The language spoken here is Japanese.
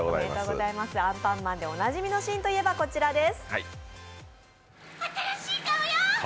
「アンパンマン」でおなじみのシーンといえばこちらです。